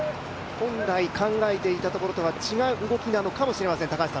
本来考えていたところとは違う動きなのかもしれません。